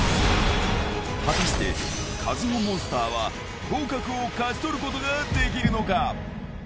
果たして、カズホモンスターは合格を勝ち取ることができるのか。